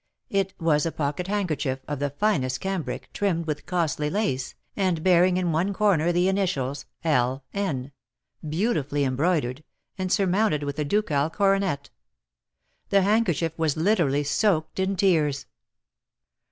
It was a pocket handkerchief, of the finest cambric, trimmed with costly lace, and bearing in one corner the initials "L. N." beautifully embroidered, and surmounted with a ducal coronet. The handkerchief was literally soaked in tears.